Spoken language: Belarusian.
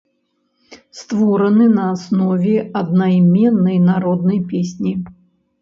Створаны на аснове аднайменнай народнай песні.